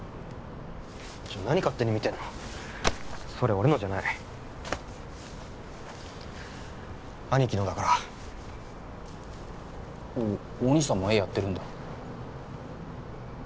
ちょっ何勝手に見てんのそれ俺のじゃない兄貴のだからおお兄さんも絵やってるんだ